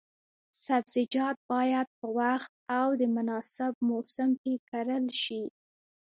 سبزیجات باید په وخت او د مناسب موسم کې کرل شي.